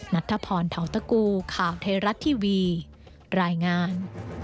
นัทธพรถาวตกูข่าวเทรัตน์ทีวีรายงาน